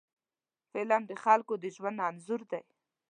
فلم د خلکو د ژوند انځور دی